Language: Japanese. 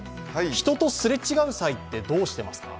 人とすれ違う際ってどうしてますか？